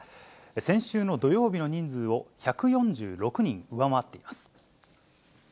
先週の土曜日の人数を１４６人上回っています。